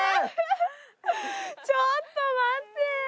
ちょっと待って。